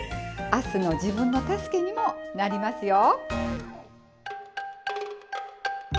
あすの自分の助けにもなりますよ。